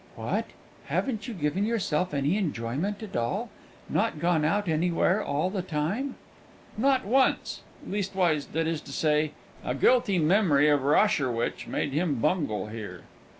"What! haven't you given yourself any enjoyment at all not gone out anywhere all the time?" "Not once leastwise, that is to say " A guilty memory of Rosherwich made him bungle here.